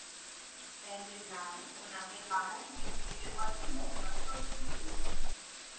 ব্যান্ডের নাম ও নামের বানান নিয়ে বেশ কয়েকটি মতবাদ প্রচলিত রয়েছে।